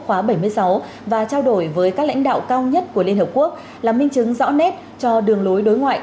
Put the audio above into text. khóa bảy mươi sáu và trao đổi với các lãnh đạo cao nhất của liên hợp quốc là minh chứng rõ nét cho đường lối đối ngoại